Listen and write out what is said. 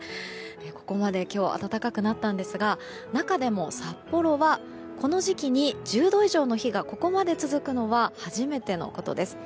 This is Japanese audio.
ここまで今日暖かくなったんですが中でも札幌はこの時期に１０度以上の日がここまで続くのは初めてのことです。